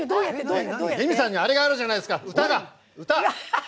レミさんにはあれがあるじゃないですか歌が！